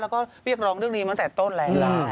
แล้วก็เรียกร้องเรื่องนี้มาตั้งแต่ต้นแล้ว